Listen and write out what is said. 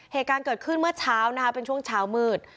เหตุการณ์เกิดขึ้นเมื่อเช้านะคะเป็นช่วงเช้ามืด